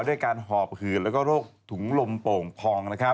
ด้วยการหอบหืดแล้วก็โรคถุงลมโป่งพอง